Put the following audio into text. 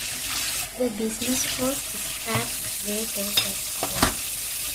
The business was scrapped later that year.